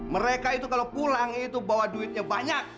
mereka itu kalau pulang itu bawa duitnya banyak